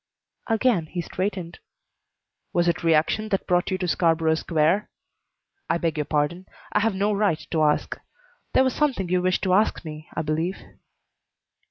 Again he straightened. "Was it re action that brought you to Scarborough Square? I beg your pardon! I have no right to ask. There was something you wished to ask me, I believe."